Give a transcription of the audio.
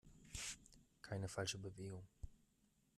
Keine falsche Bewegung!